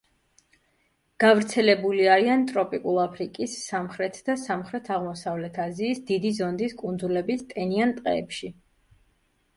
გავრცელებული არიან ტროპიკულ აფრიკის, სამხრეთ და სამხრეთ-აღმოსავლეთ აზიის, დიდი ზონდის კუნძულების ტენიან ტყეებში.